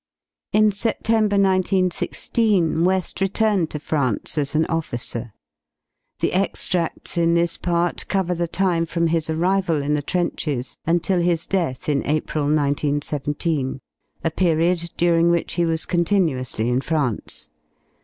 In September 1 9 1 6 JVeSl returned to France as an officer. The extrads m this part cover the time from his arrival m the trenches until his death m April 1917, /7 period during which he zvas continuously in France.